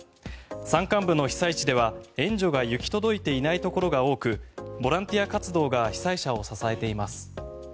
山間部の被災地では援助が行き届いていないところが多くボランティア活動が被災者を支えています。